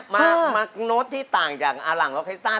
มาโน้ทที่ต่างจากอลังล็อกคาชิต้า